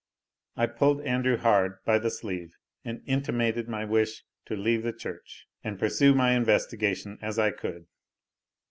I pulled Andrew hard by the sleeve, and intimated my wish to leave the church, and pursue my investigation as I could.